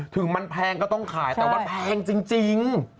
ถึงมันแพงก็ต้องขายแต่ว่าแพงจริง